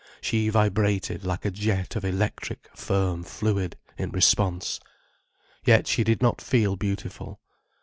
She vibrated like a jet of electric, firm fluid in response. Yet she did not feel beautiful.